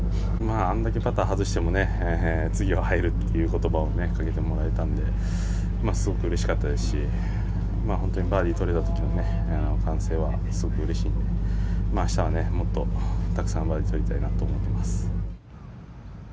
あれだけパター外しても次は入るという言葉をかけてもらえたのですごくうれしかったですしバーディーを取れた時の歓声はすごくうれしいので明日はもっとたくさんバーディー取りたいなと思います。